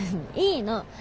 いいの。